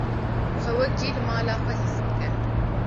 Xwe wekî li mala xwe his bike.